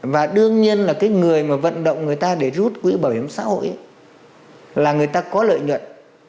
và đương nhiên là cái người mà vận động người ta để rút quỹ bảo hiểm xã hội là người ta có lợi nhuận